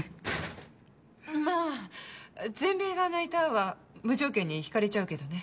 まあ、全米が泣いたは無条件にひかれちゃうけどね。